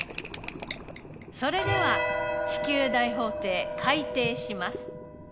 それでは地球大法廷開廷します。